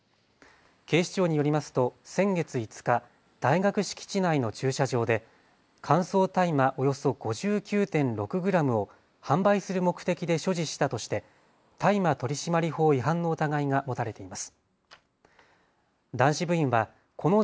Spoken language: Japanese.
警視庁によりますと先月５日、大学敷地内の駐車場で乾燥大麻およそ５９．６グラムを販売する目的で所持したとして大麻取締法違反の疑いが持たれています。